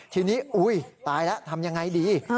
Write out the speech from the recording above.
ทีนี้อุ้ยตายแล้วทำยังไงดี